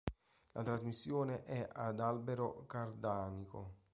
La trasmissione è ad albero cardanico.